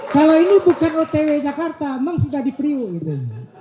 kalau ini bukan otw jakarta memang sudah di priuk gitu